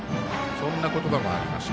そんな言葉もありました。